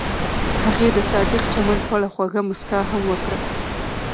هغې د صادق چمن په اړه خوږه موسکا هم وکړه.